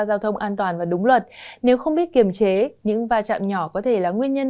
giao thông an toàn và đúng luật nếu không biết kiềm chế những va chạm nhỏ có thể là nguyên nhân